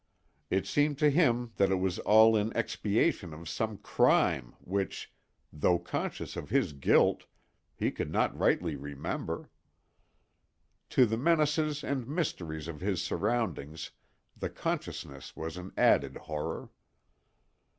It seemed to him that it was all in expiation of some crime which, though conscious of his guilt, he could not rightly remember. To the menaces and mysteries of his surroundings the consciousness was an added horror.